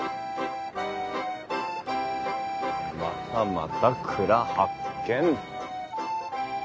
またまた蔵発見。